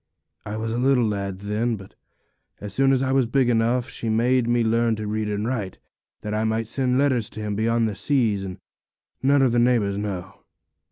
I was a little lad then, but as soon as I was big enough she made me learn to read and write, that I might send letters to him beyond the seas and none of the neighbours know.